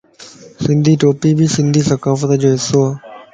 سنڌي ٽوپي بي سنڌي ثقافت جو حصو ائي.